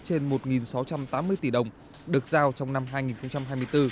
trên một sáu trăm tám mươi tỷ đồng được giao trong năm hai nghìn hai mươi bốn